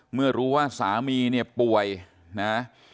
เมื่อรู้ว่าสามีเนี่ยป่วยนะ